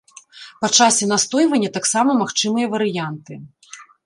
Па часе настойвання таксама магчымыя варыянты.